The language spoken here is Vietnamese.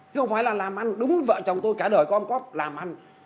thế không phải là làm ăn đúng vợ chồng tôi cả đời có ông cóp làm ăn